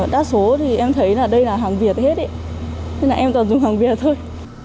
đa số thì em thấy là đây là hàng việt hết ý thế là em toàn dùng hàng việt thôi